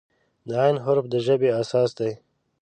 د "ع" حرف د ژبې اساس دی.